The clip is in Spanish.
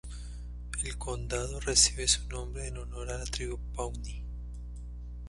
El condado recibe su nombre en honor a la tribu Pawnee.